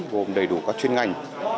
gồm đầy đủ các chuyên ngành